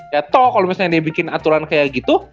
ya toh kalau misalnya dia bikin aturan kayak gitu